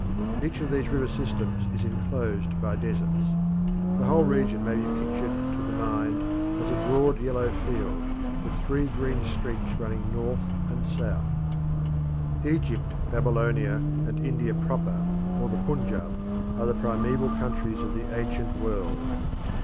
Each of these river systems is enclosed by deserts. The whole region may be pictured to the mind as a broad yellow field with three green streaks running north and south. Egypt, Babylonia, and India proper, or the Punjab, are the primeval countries of the ancient world.